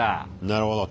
なるほど。